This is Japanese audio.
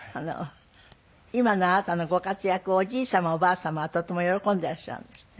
今のあなたのご活躍をおじい様おばあ様はとても喜んでいらっしゃるんですって？